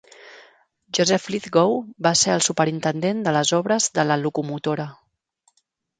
Joseph Lythgoe va ser el superintendent de les obres de la locomotora.